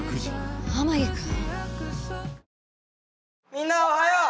みんなおはよう！